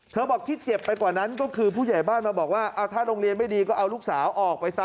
บอกที่เจ็บไปกว่านั้นก็คือผู้ใหญ่บ้านมาบอกว่าถ้าโรงเรียนไม่ดีก็เอาลูกสาวออกไปซะ